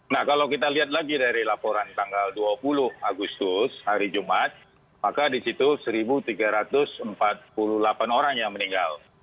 nah kalau kita lihat lagi dari laporan tanggal dua puluh agustus hari jumat maka di situ satu tiga ratus empat puluh delapan orang yang meninggal